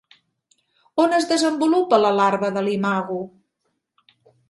On es desenvolupa la larva de l'imago?